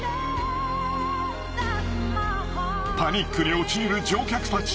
［パニックに陥る乗客たち］